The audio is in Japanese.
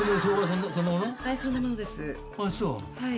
あっそう。